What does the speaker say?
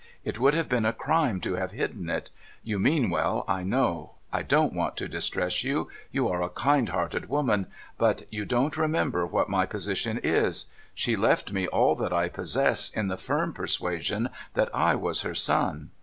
It would have been a crime to have hidden it. You mean well, I know. I don't want to distress you — you are a kind hearted woman. But you don't remember what my position is. She left me all that I possess, in the firm persuasion that I was her son.